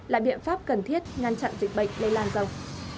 là biện pháp cần thiết ngăn chặn dịch bệnh lây lan rộng